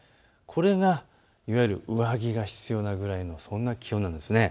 これがいわゆる上着が必要なぐらいのそんな気温なんです。